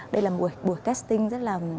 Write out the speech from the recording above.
đây là một buổi casting rất là